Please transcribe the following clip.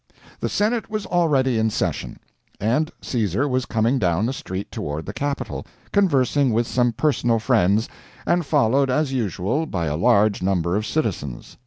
The Senate was already in session, and Caesar was coming down the street toward the capitol, conversing with some personal friends, and followed, as usual, by a large number of citizens.